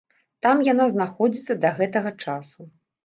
Там яна знаходзіцца да гэтага часу.